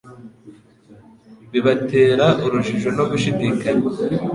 bibatera urujijo no gushidikanya.